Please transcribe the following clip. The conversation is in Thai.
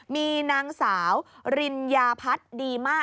มีนางสาวริญญาพัฒน์ดีมาก